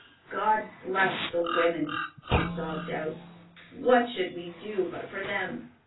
'God bless the women!' he sobbed out. 'What should we do but for them?